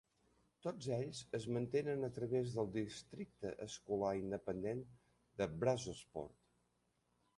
Tots ells es mantenen a través del districte escolar independent de Brazosport.